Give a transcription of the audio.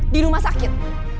di rumah sakit